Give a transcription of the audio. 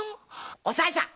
おさいさん。